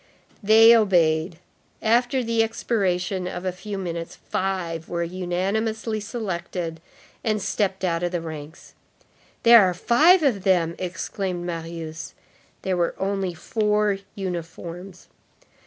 They obeyed. After the expiration of a few minutes, five were unanimously selected and stepped out of the ranks. "There are five of them!" exclaimed Marius. There were only four uniforms.